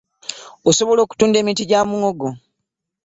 Osobola okutunda emiti gya muwogo